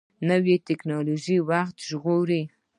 نوې ټکنالوژي وخت ژغوري